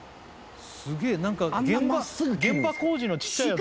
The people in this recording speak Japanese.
すげえなんか現場工事のちっちゃいやつじゃんか。